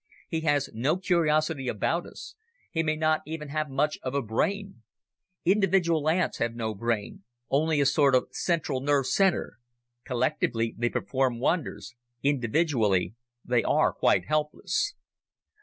He has no curiosity about us ... he may not even have much of a brain. Individual ants have no brain only a sort of central nerve center. Collectively, they perform wonders; individually, they are quite helpless."